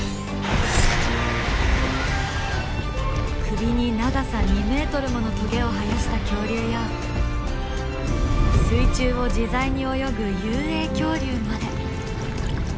首に長さ２ｍものトゲを生やした恐竜や水中を自在に泳ぐ遊泳恐竜まで。